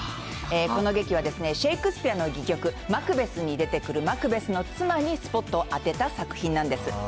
この劇は、シェイクスピアの戯曲、マクベスに出てくるマクベスの妻にスポットを当てた作品なんです。